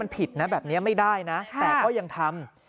มันผิดนะแบบนี้ไม่ได้นะแต่ก็ยังทำ